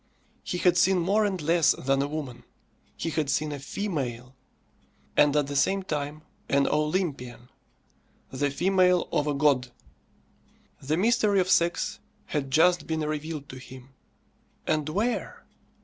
He had seen more and less than a woman; he had seen a female. And at the same time an Olympian. The female of a god. The mystery of sex had just been revealed to him. And where?